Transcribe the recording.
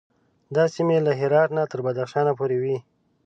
دا سیمې له هرات نه تر بدخشان پورې وې.